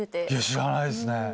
知らないですね。